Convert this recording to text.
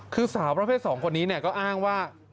คือสาวประเภท๒คนนี้ก็อ้างว่า